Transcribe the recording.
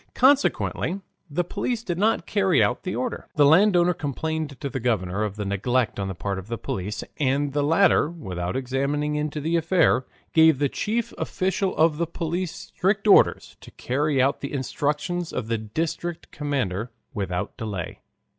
Consequently the police did not carry out the order. The landowner complained to the governor of the neglect on the part of the police, and the latter, without examining into the affair, gave the chief official of the police strict orders to carry out the instructions of the district commander without delay.